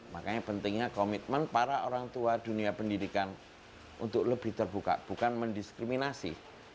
makanya pentingnya komitmen para orang tua dunia pendidikan untuk lebih terbuka bukan mendiskriminasi